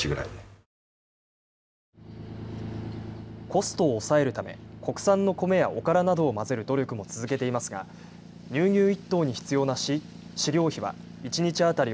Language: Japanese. コストを抑えるため国産の米やおからなどを混ぜる努力も続けていますが乳牛１頭に必要な飼料費は一日当たり